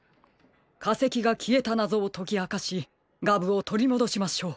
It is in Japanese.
かせきがきえたなぞをときあかしガブをとりもどしましょう。